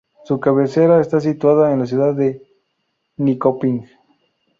Su cabecera está situada en la ciudad de Nyköping.